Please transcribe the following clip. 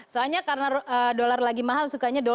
soalnya karena dolar lagi mahal sukanya